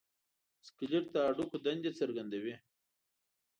سکلیټ د هډوکو دندې څرګندوي.